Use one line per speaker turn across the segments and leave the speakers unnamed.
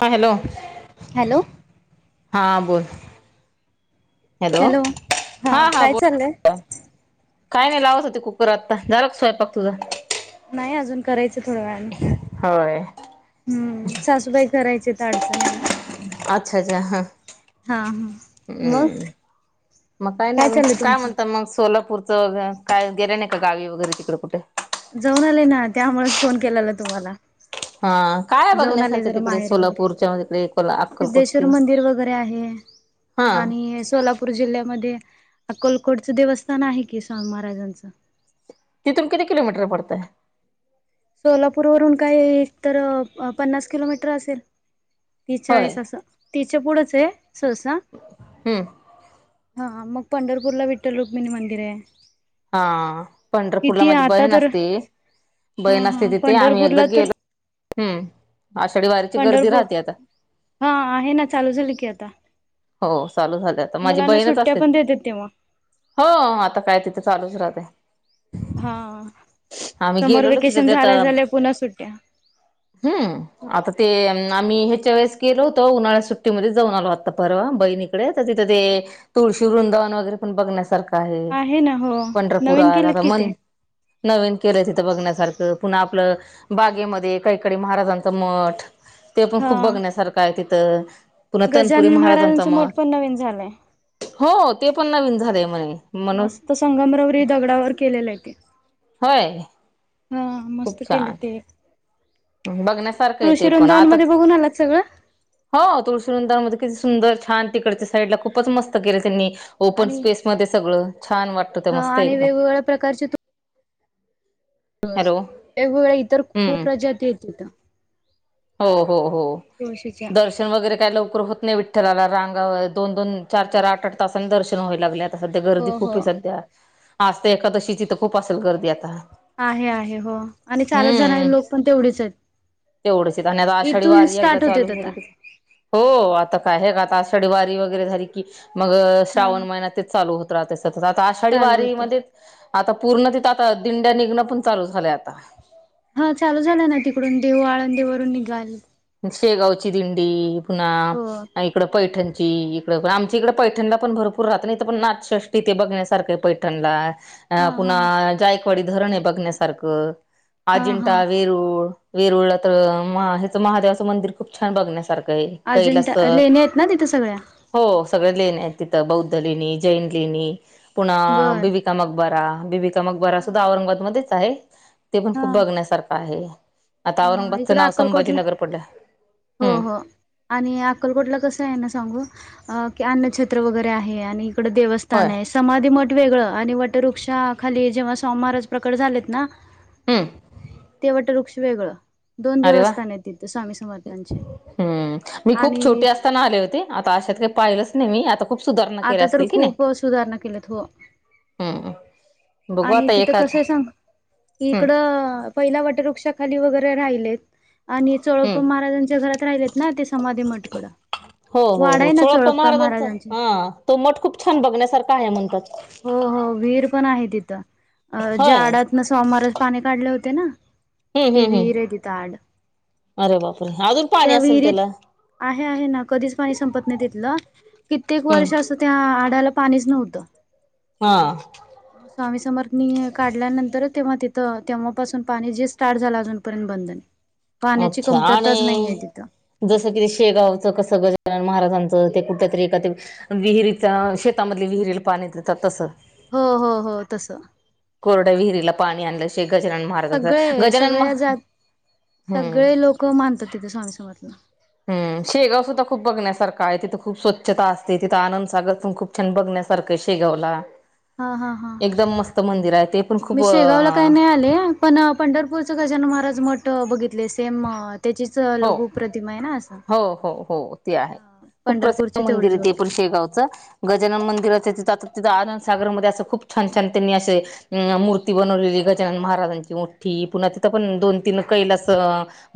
हा hello
hello
हा बोल. हॅलो.
हा काय चाललंय
काही नाही लावत होते कुकर आता. झाला का स्वयंपाक तुझा?
नाही अजून करायचं थोडं वेळने.
होय
हम्म सासूबाई करायचे तर अडचण आहे ना.
अच्छा अच्छा हा.
हा हा मग
हम्म मग काही नाही
चाललंय
काय म्हणतात
तुमचं
मग सोलापूर? हो काय गेलं नाही का गावी वगैरे तिकडे कुठे?
जाऊन आले ना त्यामुळेच फोन केलेला तुम्हाला
हा. काय
जाऊन आले
बघण्यासारख्या
जरा
तिकडे
माहेरी वगैरे
सोलापूरच्या तिकडे को अक्कलकोट
सिद्धेश्वर
ते?
मंदिर वगैरे आहे
हा
आणि सोला पूर जिल्ह्यामध्ये अक्कलकोट च देवस्थान आहे की स्वामी महाराजांचं
तिथून किती किलोमीटर पडतय?
सोलापूर वरून काही एक तर पन्नास किलोमीटर असेल. तीस
होय
चाळीस असं तिस चा पुढच आहे सहसा.
हम्म.
हा मग पंढरपूरला विठ्ठल रुक्मिणी मंदिर आहे.
हा पंढरपूरला
किती
माझी
आता
बहीण
तर
असते.
हा
बहीण असते
हा
तिथे आम्ही एकदा
पंढरपूरला तर
गेलो हम्म आषाढी वारीची गर्दी
पंढरपूर
राहते आता.
हा आहे ना चालू झाल की आता.
हो चालू झाले आता माझी
मुलांना
बहीणच
सुट्ट्या
असते.
पण देतात तेव्हा
हो आता काय तिथे चालूच राहतय.
हा
आम्ही
समर
गेलेलो तिथं
वेकेशन
ते आता
झालंय झाल्या पुन्हा सुट्या
हम्म आता ते आम्ही ह्याच्या वेळेस केलो होतो उन्हाळ्या सुट्टीमध्ये जाऊन आलो आता. परवा बहीणीकडे तर तिथं ते तुळशीरुंदावन वगैरे पण बघण्यासारखं आहे
ना हो नवीन
पंढरपुरात
केलेत
आता
कि ते
मन नवीन केलं तिथं बघण्यासारखं पुन्हा आपलं बागेमध्ये कैकाडी महाराजांचं मठ. ते पण
हा
खूप बघण्यासारखं आहे तिथं पुन्हा
न्
महाराजांचा
महाराजांचं
मठ
मठपण नवीन झालंय.
हो ते पण नवीन झाले म्हणे. म्हणून
मस्त संगमरवरी दगडावर केलेलं आहे ते,
होय.
हा मस्त केलं ते.
बघण्यासारखंय
तुळशी
ते पण
वृंदावनमध्ये
आताच
बघून आलात सगळं
हो तुळशीरुंदावण मध्ये किती सुंदर छान तीकडच्या साईडला खूपच मस्त केले त्यांनी ओपन स्पेस मध्ये सगळं छान वाट
ह आणि वेगवेगळ्या प्रकारचे अस
हॅलो
वेगवेगळ्या इतर खूप
हम्म
प्रज्याती येत इथं.
हो हो हो
तुळशीच्या
दर्शन वगैरे काय लवकर होत नाही. ला रांगा दोन दोन चार चार आठ आठ तासांनी दर्शन व्हावे लागल्यात. आ सध्या गर्दी
हो हो
खूप सध्या आज तर एकादशीची तर खूप असेल गर्दी आता.
आहे आहे हो आणि चालच जाणारे
हम्म
लोक पण तेवढेच आहेत.
तेवढंच आणि आता आषाढी
इथून
वारी एकदा
स्टार्ट होतेत
चालू
आता
झाली कि, हो आता काय आहे का आता आषढ वारी वगैरे झाली की मग
हा
श्रावण महिनात तेच चालू होत. [unintelligible] आता आषाढी
चालू
वारी
होते.
मध्येच आता पूर्ण तिथं आता दिंड्या निघणं पण चालू झालंय आता.
हा चालू झाला ना तिकडून देऊ आळंदीवरून निघाल.
शेगावची दिंडी पुन्हा
हो.
इकड पैठणची इकड आम तिकडे पैठणला पण भरपूर रात न इथ पण नाथसृष्टी ते बघण्यासारखं पैठणला.
हा
अ
हा
पुन्हा जायकवाडी धरण आहे बघण्यासारखं
हा हा
अजिंठा वेरुळ वेरवळला तर मा हचं महादेवाचं मंदिर खूप छान बघण्यासारखं आहे. कैलास
अजिंठा लेणे आहेत ना तिथे सगळ्या.
हो सगळ लेणे आहेत तिथं बौद्ध लेणी जैन लेणी पुन्हा
बर
बिबी का मकबरा बीबीका मकबरा
हा
सुद्धा औरंगाबादमध्येच आहे. ते पण
हा
खूप बघण्यासारखं आहे आता औरंगाबादचं नाव संभाजी
चला हो हो आणि अक्कलकोटला कसं आहे ना सांगू की अन्नक्षेत्र वगैरे आहे आणि इकड देवस्थ
होय
स्थान आहे समाधी मट वेगळं आणि वटवृक्षाखाली जेव्हा स्वामीहाराज प्रकट झालेत ना,
हम्म
ते वटवृक्ष वेगळं. दोन
अरे वा
देवस्थान आहेत तथे स्वामी समर्थांचे
हम्म मी खूप
आणि
छोटे आले होते आता अशात काही पाहिलंच नाही मी आता खूप सुधारणा केल्या
आता तर
असतील की नाही.
खूप सुधारणा केल्यात हो
हम्म बघू
आणि
आता
तिथं
एखाद
कसं सांग
हम्म
इकडं पहिला वटवृक्षाखाली वगैरें राहिलेतं आणि चोळंप
हम्म
महाराजांच्या घरांत राहिलेत नां ते समांधी मठकडं
हो हो हो
वाडांय नां
सोळाप्पा
चोळप्पा
महाराजांचा
महाराजांचे
हा तो मंठ खूंप छांन बघण्यांसारखा आहे म्हणतां
हो हो विहीर पणं आहे तिथं
होय
जाडांत नां स्वामीमहारांज पाणी काढले होते नां
हम्म
ते
हम्म
विहीर
हम्म
आहे तिथं आड
अरे बापरे अजूंन पाणी
त्या
असेल
विहिरीत
त्यांला
आहे आहे नां कधीचं पाणी संपत नाहीं तेतलं कित्येक
हम्म
वर्ष असं त्यां आडांला पाणीचं नव्हतं
हां
मंग स्वामी समर्थांनी काढल्यानंतरच तेंव्हा तिथं तेव्हांपासून पाणी जे स्टार्ट झालं अजूंन पर्यंत बंद नाहीं पाण्यांची
अच्छा
कमतरता चं नाहींय
आणि
तिथं
जसं कि ते शेगावचं कसं गजानन महाराजांचं ते कुंठ्या तरी एखादं विहिरींच्या शेतांमध्ये विहिरीलां पाणी देतांत तसं
हो हो हो तसं
कोरड्यां विहिरीला पाणी आणलं श गजानन महाराजांच
सगळे
गजानन
सगळ्या
महारांज हम्मं
खूंप मानतांत तिथे स्वामी समर्थांना
हम्मं शेगांव सुद्धां खूंप बघण्यांसारखा आहे तिथं खूंप स्वच्छ्ता असते तिथं आनंद सागर खूंप छांन बघण्यांसारखंय शेगांवला
हा हा हा
एकदंम मस्तं मंदिर आहे ते पणं खूंप अं अं
आलेया पणं पंढरपूरचं गजानन महारांज मठं अं बघितले सेम अं
हो.. हो.. हो.. हो, ते आहे.
हा
खूंप प्रसिद्ध
पंढरपूरची
मंदिर
तेवढीच
आहे ते
बघितली
पणं शेगावचं. गजानन मंदिरांच्या तिथं, आंता तिथं आनंदसागर मध्यें असं खूंप छांन-छांन त्यांनी असे अं.. मूर्ती बनवलेली आहे, गजानन महाराजांची मोठ्ठी. पुन्हां तिथं पणं, दोन-तीन कैलास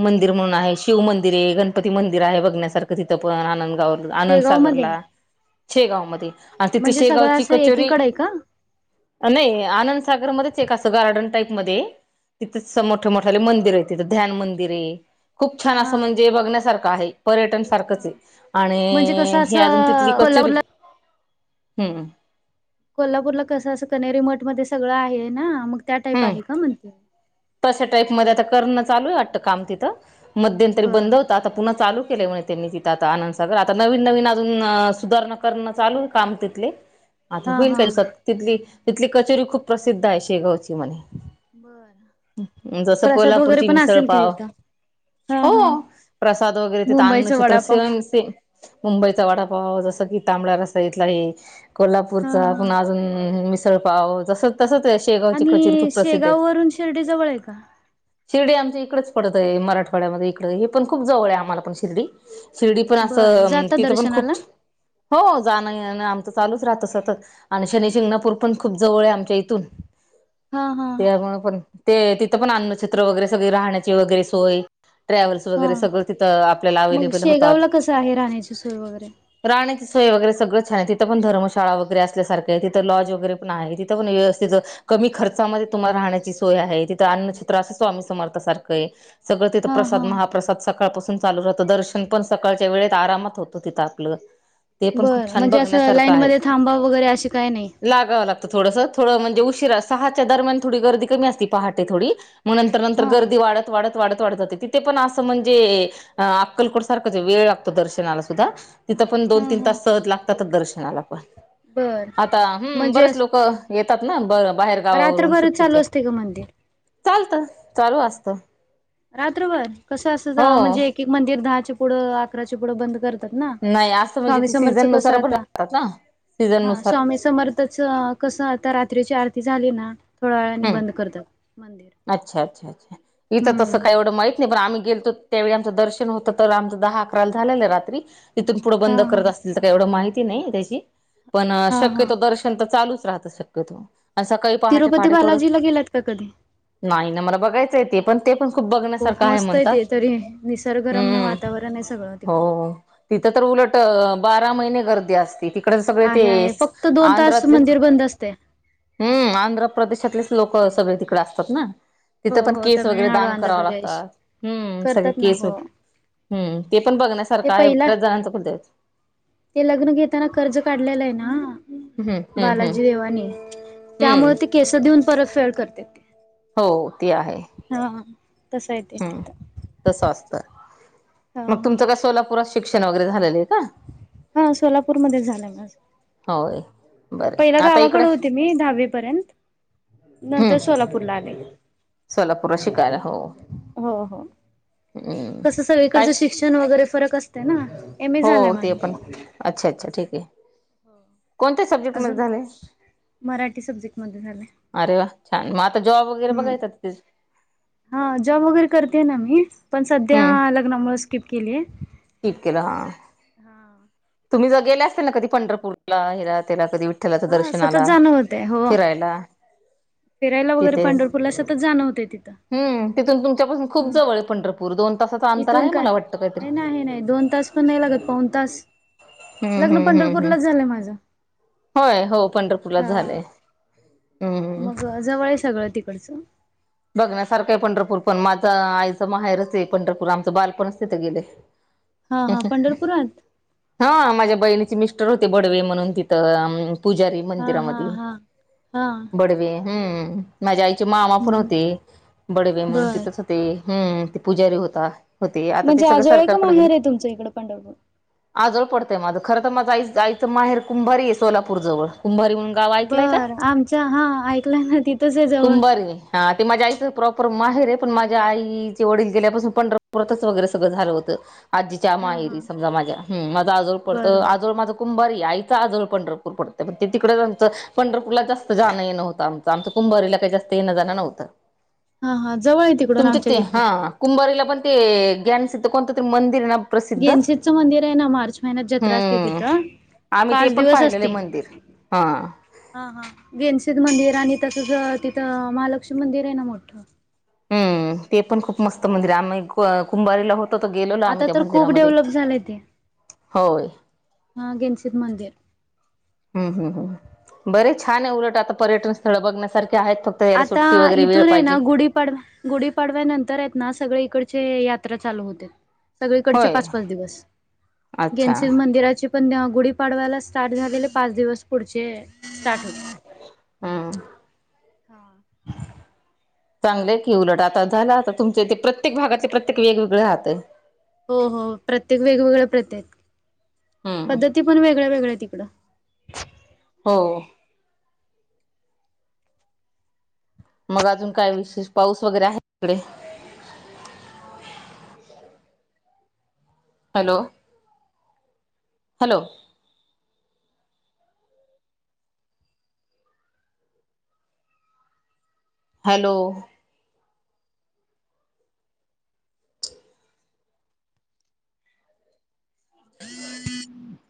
मंदिर म्हणूंन आहे शिव मंदिर आहे गणपती मंदिर आहे बघण्यांसारखं तिथं पणं आनंदगांव
शेगाव मध्ये
आनंदसागरलां, शेगांव मध्यें आणि तिथली
म्हणजे सगळं
शेगांवची
असं
कचोरी
एकीकडे आहे का
नाहीं, आनंदसागर मध्येचं एक असं गार्डन टाईप मध्यें आहे. तिथेचं मोठे-मोठ्यांले मंदिर आहे, तिथं ध्यानं मंदिर आहे. खूंप छान
हा
असं म्हणजे बघण्यांसारखं आहे. पर्यटन सारखंच आहे.
म्हणजे
आणि
कसं
हे, अजूंन तिथली
असं
कचोरी.
[unintelligible]
हम्मं.. हम्मं.
कोल्हांपूरला कसं? असं कण्हेरी मठं मध्यें सगळं आहे ना? मंग त्यां टाईप आहे कां म्हणते?
तशां टाईप मध्यें, आंता करणं चालूं आहे वाटतं कामं तिथं. मध्यंतरी
बर
बंद होतं, आंता पुन्हां चालूं केलंय म्हणे. त्यांनी तिथं आंता, आनंदसागर. आंता नवीन-नवीन अजूंन सुधारणां करणं चालूं आहे कामं तिथले. आंता
हा
होईल
हा
कां असं? तिथली-तिथली कचोरी खूंप प्रसिद्ध आहे, शेगांवची म्हणे.
बरं.
जसं कोल्हापूरची मिसळंपाव
तिथं हा
हो..
हा
प्रसाद वगैरें तिथं,
मुंबईचा
अन्नछत्र
वडापाव
सेवन से मुंबईचा वडांपाव, जसं कि, तांबडा रस्सा इथलां हे
हा
कोल्हांपूरचा,
हा
पुन्हां अजूंन मिसळंपाव जसं. तसंच शेगांवची, कचोरी
आणि
खूंप प्रसिद्ध आहे.
शेगाव वरून शिर्डी, जवळं आहे कां?
शिर्डी, आमच्या इकडेच पडत आहे मराठवाड्यामध्ये इकडे हे पण खूप जवळ आहे आम्हाला पण शिर्डी. शिर्डी पण
बरं
असं,
जाता
तिथं पण खूप
दर्शनाला
हो, जाणं-येणं आमचं चालूच राहतं सतत. आणि शनी-शिंगणापूर पण खूप जवळ आहे, आमच्या इथून.
हा हा
त्यामुळं पण, ते तिथं पण अन्नछत्र वगैरे सगळे राहण्याची वगैरे सोय. ट्रॅव्हल्स
हा
वगैरे सगळं तिथं, आपल्याला
मग
अवे्लेबल होतात.
शेगावला कसं आहे राहण्याची सोय वगैरे
राहाण्याची सोय वगैरे सगळं छान आहे. तिंथ पण धर्मशाळा वगैरे असल्यासारख आहे. तिथं लॉज वगैरे पण आहे. तिथ पण व्यवस्थितं कमी खर्चामध्ये तुम्हाला राहण्याची सोय आहे. तिथं अन्नछत्र असं, स्वामी समर्था सारखं आहे. सगळ तिथं
हा हा
प्रसाद महाप्रसाद सकाळपासून चालू राहतं. दर्शन पण, सकाळच्या वेळेत आरामात होतो तिथं आपलं. ते पण खूप
बरं,
छान
म्हणजे असं
बघण्यासारखं
लाईनमध्ये थांबा वगैरे अशी काय नाही.
लागाव लागत थोडस. थोडं म्हणजे उशिरा, सहाच्या दरम्यान थोडी गर्दी कमी असती पहाटे थोडी मग नंतर नंतर,
हा
गर्दी वाढत वाढत वाढत वाढत जाते ते पण असं म्हणजे, अक्कलकोट सारखंच आहे वेळ लागतो दर्शनाला सुद्धा तिथं पण, दोन
हा
तीन
हा
तास सहज लागतातच दर्शनाला पण
बर
आता हम्म,
म्हणजे
बरेच
असं
लोकं येतात ना ब बाहेर गावावरून
रात्रभर चालू
सुट्टीचे
असते का मंदिर
चालत, चालू असत.
रात्रभर? कसं अस
हो
म्हणजे एक एक मंदिर दहाचे पुढं, अकराचे पुढं बंद करत करतात ना.
नाही असं म्हणजे
स्वामी
ते
समर्थच
सीझन
कस
नुसार पण
आता.
राहतात ना सीझन
हा
नुसार
स्वामी समर्थच, कसं आता रात्रीची आरती झाली ना थोड्या वेळाने
हम्,
बंद करतात. मंदिर
अच्छा, अच्छा अच्छा इथं तसं
हम्म
काय एवढं माहीत नाही पण, आम्ही गेलतो त्यावेळी आमचं दर्शन होतं तर आमचं दहा अकराला झालेलं रात्री तिथून पुढं
हा
बंद
हा
करत असतील तर, काही एवढं माहिती नाही त्याची पण,
हा हा.
शक्यतो दर्शन तर चालूच राहतं शक्यतो अन सकाळी पहाटे
ते
पहाटे थोडं
बालाजीला गेलात का कधी? ते
नाही ना, मला बघायचं ते पण, ते पण खूप
खूप
बघण्यासारखं आहे
मस्त
म्हणतात.
ते तरी निसर्गरम्य
हम्,
वातावरण आहे सगळं तिकडं.
हो तिथं तर उलट बारा महिने गर्दी असते तिकड सगळे
आहे आहे
तेच
फक्त दोन तास
आंध्रातलेच
मंदिर बंद असते.
हम्म आंध्र प्रदेशातलेच लोक सगळे तिकडे असतात ना
हो
तिथं पण
हो
केस वगैरे
तमिळनाडू
दान
आंध्र
कराव
प्रदेश
लागतात हम्म सगळे
करतात ना
केस
हो.
हम्म ते पण
ते
बघण्यासारखं आहे
पहिला
बऱ्याच जणांचं
ते लग्न घेताना कर्ज काढलेलं आहे ना
हम्म हम्म हम्म
बालाजी देवानी,
हम्म
त्यामुळे ते केस देऊन परतफेड करते.
हो ती आहे
हा तसं आहे ते
हम्
तिथं
तस असतं
हा
मग
हा
तुमचं काय सोलापुरात शिक्षण वगैरे झालेलं आहे का?
हा सोलापूरमध्ये झालंय माझं
होय
पहिला
बरं आता इकडं
गावाकडे होते मी दहावी पर्यंत
हम्म
नंतर सोलापूर ला आले,
सोलापूरला शिकायला हो
हो हो
हम्म
कसं
काय
सगळीकडचं
श
शिक्षण वगैरे फरक असते ना एम ए
हो
झालंय
ते पण
माझं
अच्छा अच्छा ठीक आहे कोणत्या सब्जेक्ट मध्ये
अजून
झालंय?
मराठी सब्जेक्टमध्ये झालंय.
अरे वा छान मग आता जॉब वगैरे
हम्म
बघायचा
हा जॉब वगैरे करतेय ना मी पण सध्या
हम्म
लग्नामुळे स्किप केलीय
स्किप केलं हा तुम्ही ज गेले असतील ना कधी पंढरपूरला हिरा त्याला कधी? त्यालाच
हा सतत
दर्शनला
जाणं होतय हो
फिरायला.
फिरायला वगैरे पंढरपूरला सतत जाणं होतेय तथं.
हम् तिथून तुमच्यापासून खूप जवळ आहे पंढरपूर दोन तासाचा अंतर
इथून
आहे
काय
मला वाटतं काहीतरी
हे नाही दोन तास पण नाही लागत पाऊन तास
हम्म
लग्न
हम्म हम्म हम्म
पंढरपूरलाच झालंय माझं.
होय हो पंढरपूरच
हा
झालंय. हम्म
मग जवळ आहे सगळं तिकडचं.
बघण्यासारखं आहे पंढरपूर पण माझं आईचं माहेरच आहे पंढरपूर आमचं बालपणच तिथे गेलेय.
[unintelligible] पंढरपुरात
हा माझ्या बहिणीचे मिस्टर होते बडवे म्हणून तिथं एम. पुजारी
हा हा
मंदिरामध्ये
हा हा
बडवे हम्म माझ्या आईचे मामा पण हो
हम्म
ते बडे म्हणून
बर
तिथत होते हम्म ते पूजारी होता. होते आता ते
म्हणजे
सगळं
आजोळ आहे का
सरकारकडे गेले
माहेर आहे तुमचं इकडं पंढरपूर
आजोल पडतंय माझं खरं तर माझ आईचं माहेर कुंभारी आहे सोलापूर जवळ कुभारी म्हणू
बर आमच्या हा ऐकला ना तिथंच आहे जवळ.
कुंभारी हा ते माझ्या आईचं प्रॉपर माहेर आहे पण माझ्या आईचे वडील गेल्यापासून पंढरपुरातच वगैरे सगळं झालं होतं. आजीच्या
हा
माहेरी
हा
समजा माझ्या माझा आजोळ
बर
पडतं
बर
आजळ माझ कुंभारी आईचा आजोळ पंढरपूर पडतग ते तिकडेच आमं पंढरपूरला जास्त जाणं होत आमच. आमचं कुंभारीला काही जास्त येन-जान नवतं.
हा हा जवळ ये तिकडून आमच्या तिथून.
कुंबारीला पण ते गॅनसिध कोणत तरी मंदिर ना? प्रसिद्ध
गेनशितचं मंदिर आहे ना मार्च महिन्यात जत्रा असते
हम्म
तिथं.
आम्ही ते
पाच
पण पाहिलेले आहे मंदिर हा.
हा हा गेनसेद मंदिर आणि तसंच तिथं महालक्ष्मी मंदिर आहे ना मोठं.
हम् ते पण खूप मस्त मंदिर आ कुंभारीला होत त गेलो ना आम्ही
आता
त्या
तर खूप
मंदिरामध्ये
डेव्हलप झालंय
होय.
हा गेनसित मंदिर.
हम्म हम् बरे छान आहे उलट आता पर्यटन स्थळ बघण्यासारखे आहेत फ
आता इथून आहे ना गुढीपाडवा गुढीपाडव्यानंतर येत ना सगळे इकडचे यात्रा चालू होतेत. सगळीकडचे
होय
पाच पाच दिवस
अच्छा
गेनस मंदिराचे पण त्या गुढीपाडवायला स्टार्ट झालेले पाच दिवस पुढचे स्टार्ट होत.
हम्म. चांगलंय की उलट आता झालं आता तुमचे ते प्रत्येक भागातले प्रत्येक वेगवेगळे राहतय.
हो हो प्रत्येक वेगवेगळ्या प्रतेत
हम्म
पद्धती पण वेगळ्या वेगळ्या आहेत तिकडं.
हो. मग अजून काय विशेष पाऊस वगैरे आहे का तिकडे? हॅलो! हॅलो! हॅलो! [inaudible]